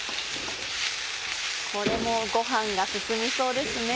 これもご飯が進みそうですね。